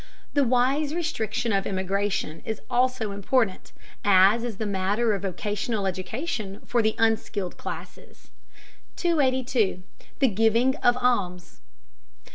The wise restriction of immigration is also important, as is the matter of vocational education for the unskilled classes. 282. THE GIVING OF ALMS.